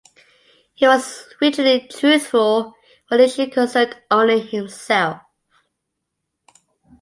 He was rigidly truthful, where the issue concerned only himself.